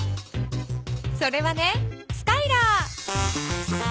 それはねスカイラー。